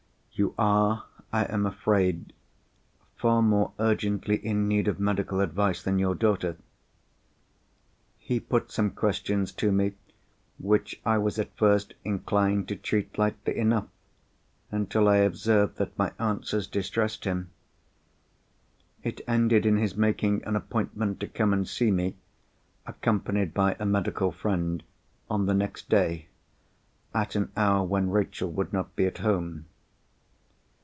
You are, I am afraid, far more urgently in need of medical advice than your daughter.' He put some questions to me, which I was at first inclined to treat lightly enough, until I observed that my answers distressed him. It ended in his making an appointment to come and see me, accompanied by a medical friend, on the next day, at an hour when Rachel would not be at home.